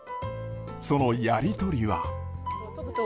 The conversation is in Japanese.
そのやり取りは。